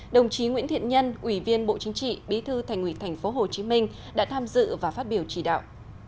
đồng chí nguyễn thiện nhân ủy viên bộ chính trị bí thư thành ủy tp hcm đã tham dự và phát biểu chỉ đạo